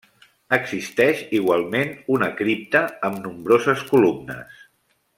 Existeix igualment una cripta amb nombroses columnes.